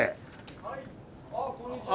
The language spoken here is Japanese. はいあこんにちは。